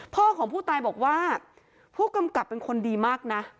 พ่อของผู้ตายบอกว่าผู้กำกับเป็นคนดีมากนะ